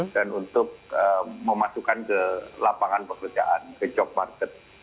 dan untuk memasukkan ke lapangan pekerjaan ke job market